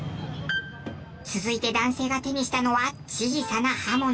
続いて男性が手にしたのは小さな刃物。